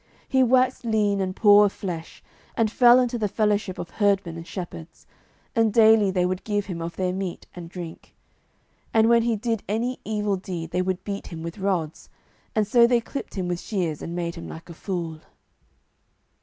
He waxed lean and poor of flesh, and fell into the fellowship of herdmen and shepherds, and daily they would give him of their meat and drink. And when he did any evil deed they would beat him with rods, and so they clipped him with shears and made him like a fool.